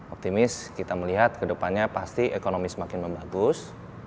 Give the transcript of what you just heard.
optimis kita melihat ke depannya pasti ekonomi semakin membagus